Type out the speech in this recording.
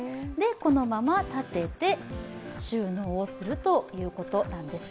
このまま立てて収納するということなんです。